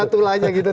ada tulahnya gitu